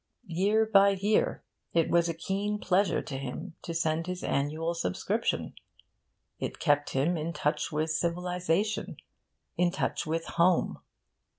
Year by year, it was a keen pleasure to him to send his annual subscription. It kept him in touch with civilisation, in touch with Home.